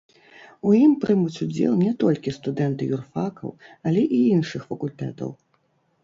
У ім прымуць удзел не толькі студэнты юрфакаў, але і іншых факультэтаў.